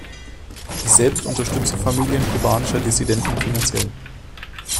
Ich selbst unterstütze Familien kubanischer Dissidenten finanziell.